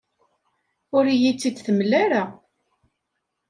Ur iyi-tt-id-temla ara.